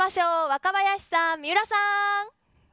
若林さん、水卜さん！